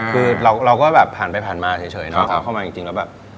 คือเราก็แบบผ่านไปผ่านมาเฉยเนาะพอเข้ามาจริงแล้วแบบ